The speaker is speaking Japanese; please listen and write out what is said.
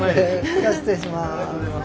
じゃあ失礼します。